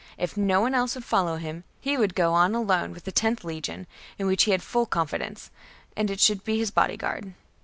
If no one else would follow him, he would go on alone with the loth legion, in which he had full confidence ; and it should be his bodyguard.